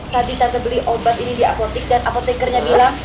tadi tante beli obat ini di apotek dan apotekernya bilang